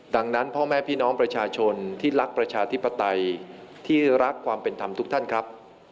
ดังนั้นพ่อแม่พี่น้องประชาชนที่รักประชาธิปไตยที่รักความเป็นธรรมทุกท่านครับ